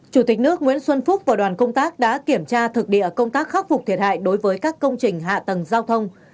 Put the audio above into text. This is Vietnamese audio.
chủ tịch nước nguyễn xuân phúc và đoàn công tác đã kiểm tra thực địa công tác khắc phục thiệt hại đối với các công trình hạ tầng giao thông